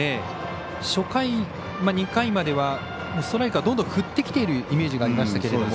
初回、２回まではストライクはどんどん振ってきているイメージがありましたけど。